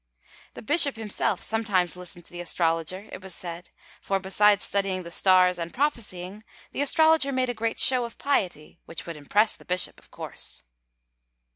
The bishop himself sometimes listened to the astrologer, it was said, for, besides studying the stars and prophesying, the astrologer made a great show of piety, which would impress the bishop, of course.